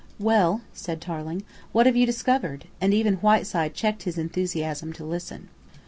"Well," said Tarling, "what have you discovered?" and even Whiteside checked his enthusiasm to listen.